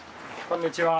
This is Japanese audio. こんにちは。